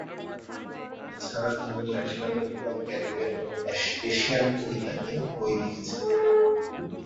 এছাড়া তিনি Latin American, Caribbean এবং এশিয়ান কবিতা নিয়ে বই লিখেছেন।